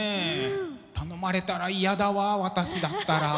頼まれたら嫌だわ私だったら。